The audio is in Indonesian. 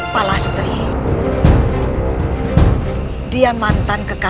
sejak sudah berakhir